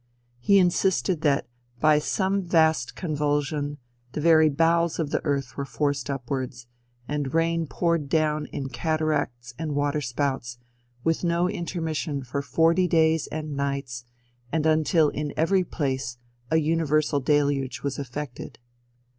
He insisted that "by some vast convulsion, the very bowels of the earth were forced upwards, and rain poured down in cataracts and water spouts, with no intermission for forty days and nights, and until in every place a universal deluge was effected.